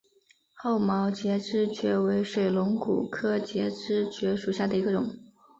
厚毛节肢蕨为水龙骨科节肢蕨属下的一个种。